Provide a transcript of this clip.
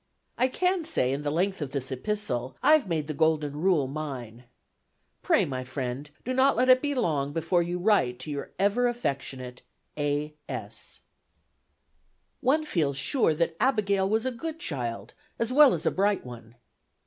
"I can say, in the length of this epistle, I've made the golden rule mine. Pray, my friend, do not let it be long before you write to your ever affectionate "A. S." One feels sure that Abigail was a good child, as well as a bright one.